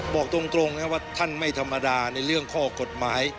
บอกตรงนะว่าท่านไม่ธรรมดาในเรื่องข้อกฎหมาย